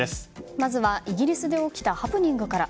まずはイギリスで起きたハプニングから。